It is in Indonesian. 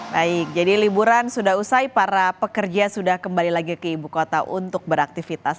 baik jadi liburan sudah usai para pekerja sudah kembali lagi ke ibu kota untuk beraktivitas